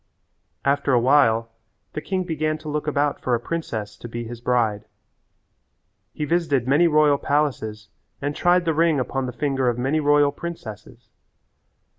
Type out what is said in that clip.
After a while the king began to look about for a princess to be his bride. He visited many royal palaces and tried the ring upon the finger of many royal princesses.